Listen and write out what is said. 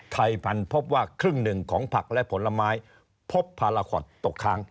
ไทยพันธุ์พบว่าครึ่งหนึ่งของผักและผลไม้พบพาราคอตตกค้าง